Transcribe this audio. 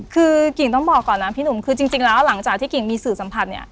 คือกิ่งต้องบอกก่อนนะพี่หนุ่มคือจริงแล้วหลังจากที่กิ่งมีสื่อสัมผัสเนี่ย